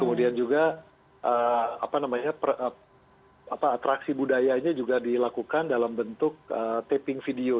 kemudian juga eee apa namanya eee apa atraksi budayanya juga dilakukan dalam bentuk eee taping video